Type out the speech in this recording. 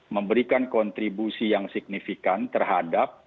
memberikan kontribusi yang signifikan terhadap